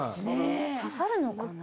刺さるのかな？